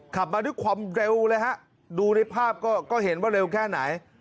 ขับมาด้วยความเร็วเลยฮะดูในภาพก็เห็นว่าเร็วแค่ไหน